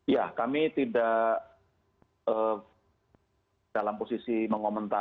ya kami tidak dalam posisi mengomentari